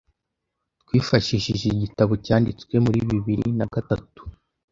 twifashishije igitabo cyanditswe muri bibiri nagatatu